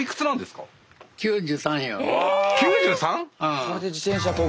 それで自転車こぐ？